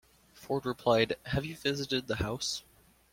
Ford replied Have you visited the house?